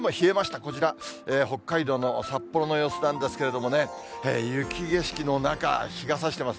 こちら、北海道の札幌の様子なんですけれどもね、雪景色の中、日がさしてます。